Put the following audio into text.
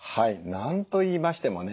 何と言いましてもね